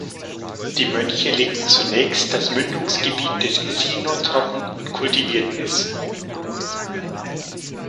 Die Mönche legten zunächst das Mündungsgebiet des Esino trocken und kultivierten es.